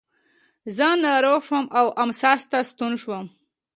زه ناروغ شوم او اسماس ته ستون شوم.